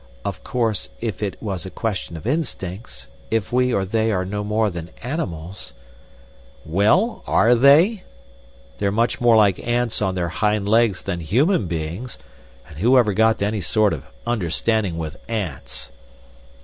Of course if it was a question of instincts, if we or they are no more than animals—" "Well, are they? They're much more like ants on their hind legs than human beings, and who ever got to any sort of understanding with ants?"